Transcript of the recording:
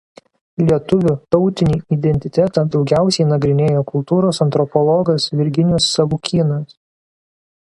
Lietuvių tautinį identitetą daugiausiai nagrinėjo kultūros antropologas Virginijus Savukynas.